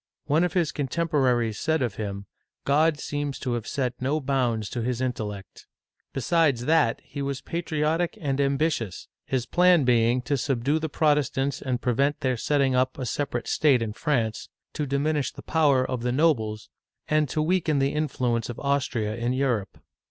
One of his contemporaries said of him, God seems to have set no bounds to his intellect." Besides that, he was patriotic and ambitious, his plan being to subdue the Protestants and prevent their setting up a separate state in France ; to diminish the power of the nobles ; and to weaken the influence of Austria in Europe.